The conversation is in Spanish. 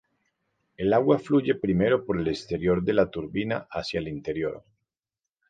El agua fluye primero por el exterior de la turbina hacia el interior.